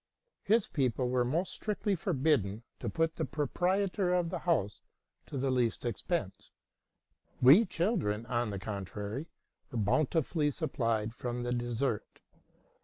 His people were most strictly forbidden to put the proprietor of the house to the least expense. We chil dren, on the contrary, were bountifully supplied from the dessert.